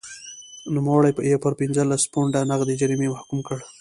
نوموړی یې پر پنځلس پونډه نغدي جریمې محکوم کړ.